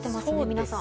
皆さん。